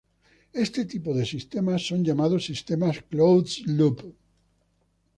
Esta tipo de sistemas son llamados sistemas "closed-loop".